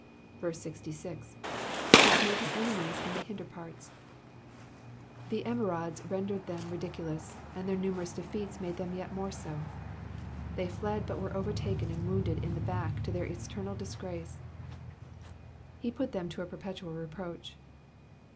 66. JK? smote his enemies in the hinder parts, The emerods rendered them ridiculous, and their numerous defeats made them yet more so. They fled but were overtaken and wounded in the back to their eternal disgrace. ''Be put them to a perpetual reproach.